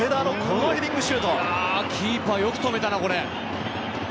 キーパーよく止めたな、これ。